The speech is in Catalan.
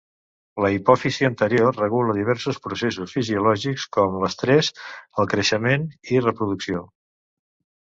La hipòfisi anterior regula diversos processos fisiològics com l'estrès, el creixement i reproducció.